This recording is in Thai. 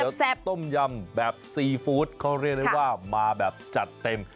เดี๋ยวแซ่บต้มยำแบบซีฟู้ดเขาเรียกได้ว่ามาแบบจัดเต็ม